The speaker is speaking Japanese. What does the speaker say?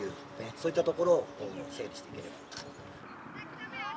そういったところを整理していければ。